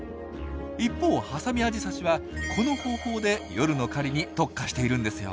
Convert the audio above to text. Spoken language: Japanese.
一方ハサミアジサシはこの方法で夜の狩りに特化しているんですよ。